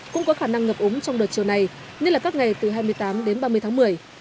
cũng có khả năng ngập úng trong đợt chiều này như là các ngày từ hai mươi tám đến ba mươi tháng một mươi